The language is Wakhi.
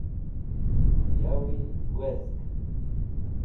Yawi wezg